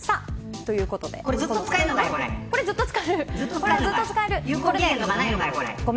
これずっと使えるのか。